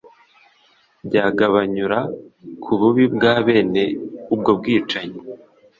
byagabanyura ku bubi bwa bene ubwo bwicanyi.